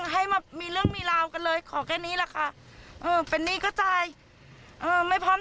ให้มามีเรื่องมีราวกันเลยขอแค่นี้แหละค่ะเออเป็นหนี้ก็จ่ายเออไม่พร้อม